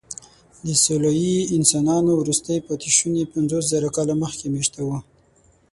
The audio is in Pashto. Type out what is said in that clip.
د سولويي انسانانو وروستي پاتېشوني پنځوسزره کاله مخکې مېشته وو.